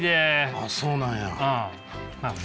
あっそうなんや。